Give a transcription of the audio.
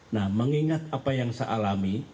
nah mengingat apa yang saya alami